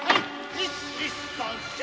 １、２、３、４！